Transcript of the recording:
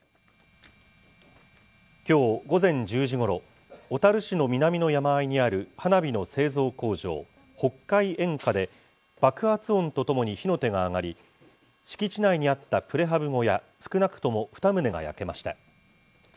きょう午前１０時ごろ、小樽市の南の山あいにある花火の製造工場、北海煙火で、爆発音とともに火の手が上がり、敷地内にあったプレハブ小屋、少なくとも２棟が焼けました。